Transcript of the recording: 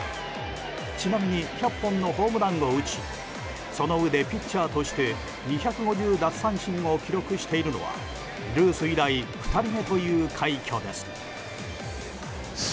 ちなみに１００本のホームランを打ちそのうえでピッチャーとして２５０奪三振を記録しているのはルース以来２人目という快挙です。